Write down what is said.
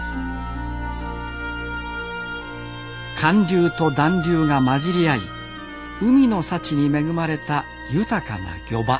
寒流と暖流が混じり合い海の幸に恵まれた豊かな漁場。